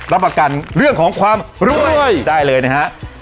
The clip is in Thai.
รับประกันเรื่องของความรวยได้เลยนะฮะ